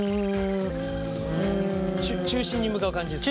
ちゅ中心に向かう感じですか？